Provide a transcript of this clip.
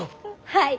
はい！